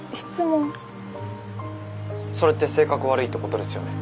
「それって性格悪いってことですよね」。